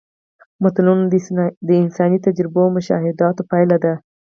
متلونه د انساني تجربو او مشاهداتو پایله ده